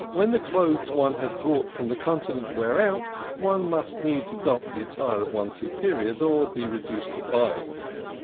When the clothes one has brought from the Continent wear out, one must needs adopt the attire of one's superiors, or be reduced to buying.